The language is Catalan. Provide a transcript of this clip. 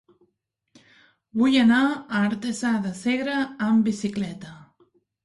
Vull anar a Artesa de Segre amb bicicleta.